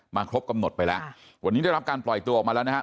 ครบกำหนดไปแล้ววันนี้ได้รับการปล่อยตัวออกมาแล้วนะครับ